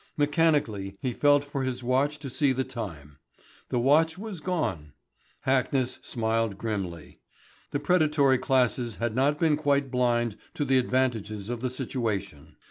Mechanically he felt for his watch to see the time. The watch was gone. Hackness smiled grimly. The predatory classes had not been quite blind to the advantages of the situation.